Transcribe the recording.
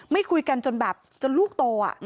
ไม่คุยกันจนแบบจนลูกโต